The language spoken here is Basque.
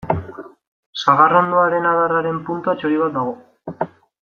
Sagarrondoaren adarraren punta txori bat dago.